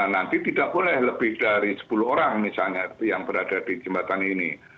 nanti tidak boleh lebih dari sepuluh orang misalnya yang berada di jembatan ini